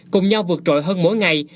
cùng nhau vượt trội hơn mỗi ngày